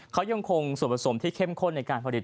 เขายังคงส่วนผสมที่เข้มข้นในการผลิต